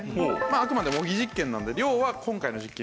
あくまで模擬実験なので量は今回の実験用の量ですけど。